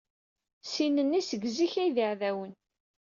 Sin-nni seg zik ay d iɛdawen.